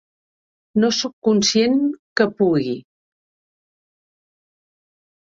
No sóc conscient que pugui.